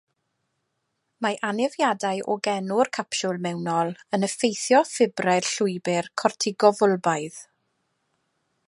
Mae anafiadau o genw'r capsiwl mewnol yn effeithio ffibrau'r llwybr cortigofwlbaidd.